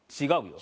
違う。